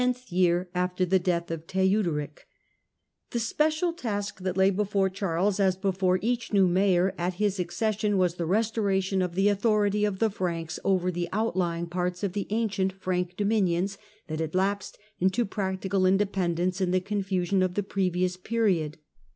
th 'ear after the death of Theuderich ". The special task that lay before Charles, as before iach new mayor at his accession, was the restoration of he authority of the Franks over the outlying parts of he ancient Frank dominions that had lapsed into >ractical independence in the confusion of the previous >eriod.